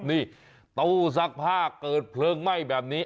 นี่ตู้ซักผ้าเกิดเพลิงไหม้แบบนี้